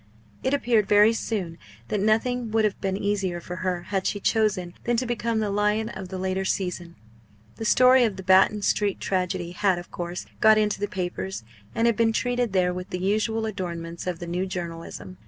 It appeared very soon that nothing would have been easier for her had she chosen than to become the lion of the later season. The story of the Batton Street tragedy had, of course, got into the papers, and had been treated there with the usual adornments of the "New Journalism."